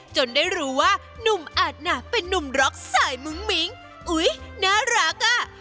ได้รู้ว่านุ่มอาจน่ะเป็นนุ่มร็อกสายมุ้งมิ้งอุ๊ยน่ารักอ่ะ